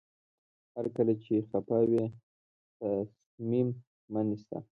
هر کله چې خفه وئ تصمیم مه نیسئ.